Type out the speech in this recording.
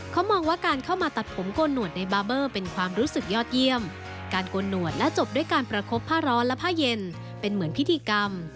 การประคบด้วยผ้าเย็นเป็นเหมือนพิธีกรรม